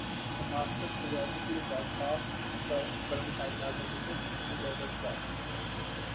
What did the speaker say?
The master periodically broadcasts the current time as a message to the other clocks.